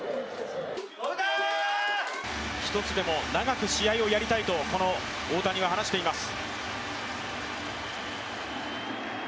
一つでも長く試合をやりたいとこの大谷は話しています。